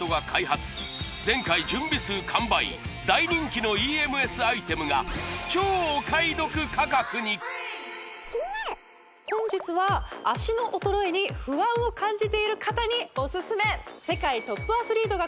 大人気のＥＭＳアイテムが本日は脚の衰えに不安を感じている方にオススメ